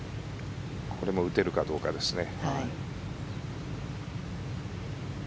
これも打てるかどうかですね。